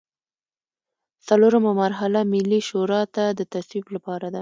څلورمه مرحله ملي شورا ته د تصویب لپاره ده.